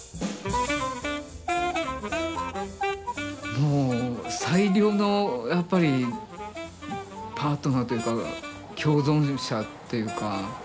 もう最良のやっぱりパートナーというか共存者というか。